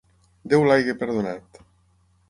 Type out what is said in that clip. Déu l'hagi perdonat!